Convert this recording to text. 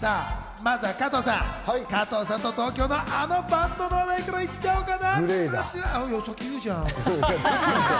まずは加藤さん、加藤さんと同郷の、あのバンドの話題行っちゃおうかな。